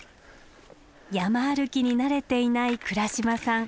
山歩きに慣れていない倉嶋さん